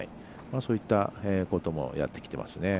そういったこともやってきてますね。